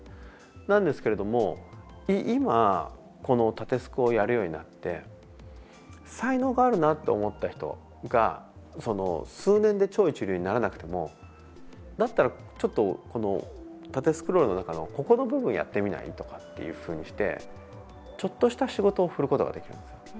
なんですけれども、今この縦スクをやるようになって才能があるなって思った人が数年で超一流にならなくてもだったらこの縦スクロールの中のここの部分やってみないとかっていうふうにしてちょっとした仕事を振ることができるんです。